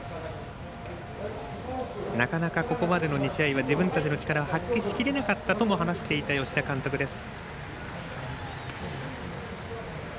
なかなか、ここまでの２試合は自分たちの力を発揮しきれなかったとも話していた、吉田監督です。